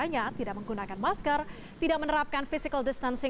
jalan asia afrika